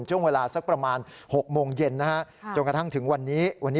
ช่วงเวลาสักประมาณ๖โมงเย็นนะฮะจนกระทั่งถึงวันนี้วันนี้